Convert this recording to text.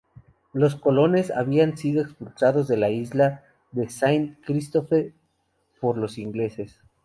Los colonos habían sido expulsados de la isla de Saint-Christophe por los ingleses.